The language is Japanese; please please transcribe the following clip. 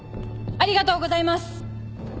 ありがとうございます。